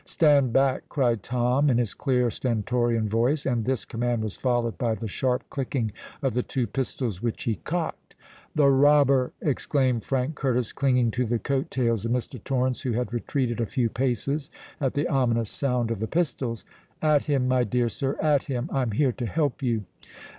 "Stand back!" cried Tom in his clear, stentorian voice; and this command was followed by the sharp clicking of the two pistols which he cocked. "The robber!" exclaimed Frank Curtis, clinging to the coat tails of Mr. Torrens, who had retreated a few paces at the ominous sound of the pistols. "At him, my dear sir—at him! I'm here to help you."